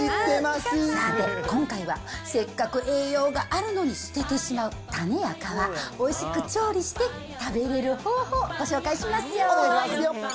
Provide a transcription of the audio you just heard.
さて、今回はせっかく栄養があるのに捨ててしまう種や皮、おいしく調理して、食べれる方法、ご紹介しますよ。